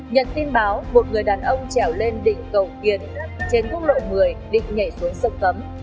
nhận tin báo một người đàn ông trèo lên đỉnh cầu kiệt trên quốc lộ một mươi định nhảy xuống sông cấm